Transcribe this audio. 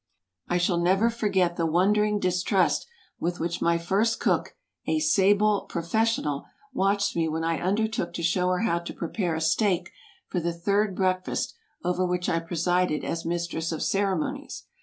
I shall never forget the wondering distrust with which my first cook, a sable "professional," watched me when I undertook to show her how to prepare a steak for the third breakfast over which I presided as mistress of ceremonies.